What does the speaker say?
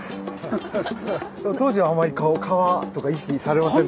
当時はあんまり川とか意識されませんでした？